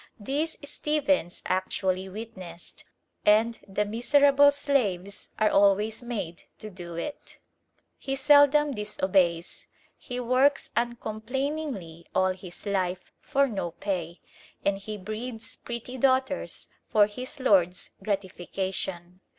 This Stephens actually witnessed, and the miserable slaves are always made to do it. He seldom disobeys: he works uncomplainingly all his life for no pay; and he breeds pretty daughters for his lord's gratification.